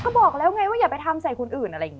ก็บอกแล้วไงว่าอย่าไปทำใส่คนอื่น